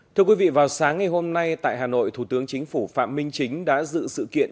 thưa quý vị vào sáng ngày hôm nay tại hà nội thủ tướng chính phủ phạm minh chính đã dự sự kiện